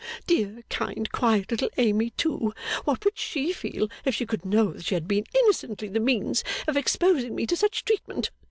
Dear, kind, quiet little Amy, too, what would she feel if she could know that she had been innocently the means of exposing me to such treatment!